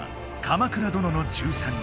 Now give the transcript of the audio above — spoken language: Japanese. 「鎌倉殿の１３人」。